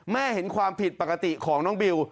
เห็นความผิดปกติของน้องบิว